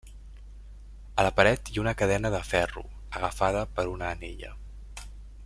A la paret hi ha una cadena de ferro, agafada per una anella.